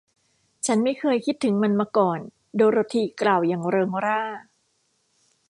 ฉันไม่เคยคิดถึงมันมาก่อน โดโรธีกล่าวอย่างเริงร่า